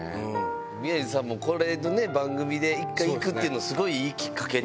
宮治さんも、これの番組で一回行くっていうの、すごいいいきっかけに。